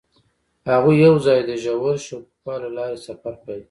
هغوی یوځای د ژور شګوفه له لارې سفر پیل کړ.